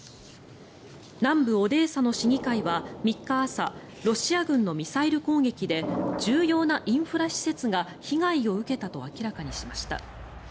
南部オデーサの市議会は３日朝ロシア軍のミサイル攻撃で重要なインフラ施設が被害を受けたと明らかにしました。